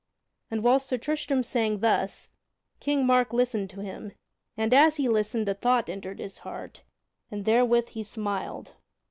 And whilst Sir Tristram sang thus, King Mark listened to him, and as he listened a thought entered his heart and therewith he smiled.